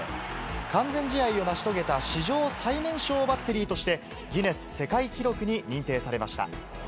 完全試合を成し遂げた史上最年少バッテリーとして、ギネス世界記録に認定されました。